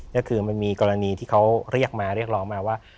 ก็คือมันมีกรณีที่เขาเรียกร้องมาว่า